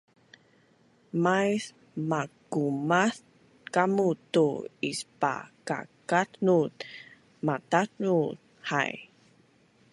mais makumaaz kamu tu ispakakatnul matatnul hai